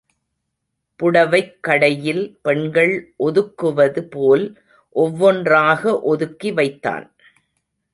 புடவைக் கடையில் பெண்கள் ஒதுக்குவது போல் ஒவ்வொன்றாக ஒதுக்கி வைத்தான்.